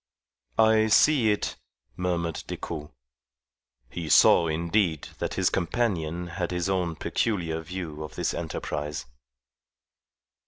"I see it," murmured Decoud. He saw, indeed, that his companion had his own peculiar view of this enterprise.